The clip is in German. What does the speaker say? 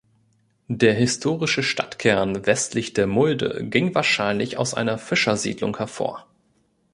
Der historische Stadtkern westlich der Mulde ging wahrscheinlich aus einer Fischersiedlung hervor.